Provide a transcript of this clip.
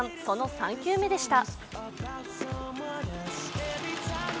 その３球目でした。